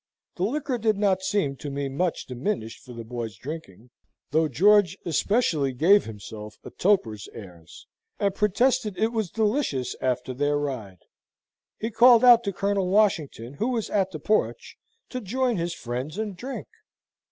The liquor did not seem to be much diminished for the boys' drinking, though George especially gave himself a toper's airs, and protested it was delicious after their ride. He called out to Colonel Washington, who was at the porch, to join his friends, and drink.